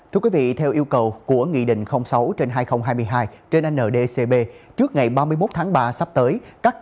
thưa quý vị theo yêu cầu của nghị định sáu trên hai nghìn hai mươi hai trên ndcb trước ngày ba mươi một tháng ba sắp tới